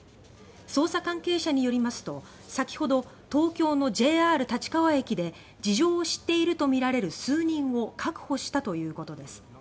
捜査関係者によりますと先ほど東京のＪＲ立川駅で事情を知っているとみられる数人を確保したということです。